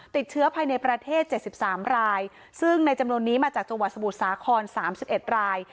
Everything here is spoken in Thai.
ติดเชื้อภายในประเทศ๗๓รายซึ่งในจำนวนนี้มาจากจังหวัดสมุทรสาคร๓๑ราย